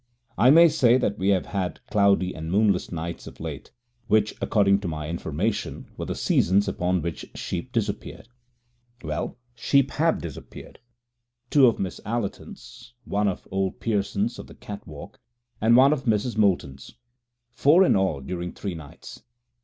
I may say that we have had cloudy and moonless nights of late, which according to my information were the seasons upon which sheep disappeared. Well, sheep have disappeared. Two of Miss Allerton's, one of old Pearson's of the Cat Walk, and one of Mrs. Moulton's. Four in all during three nights.